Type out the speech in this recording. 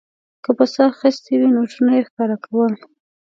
که په څه اخیستې وې نوټونه یې ښکاره کول.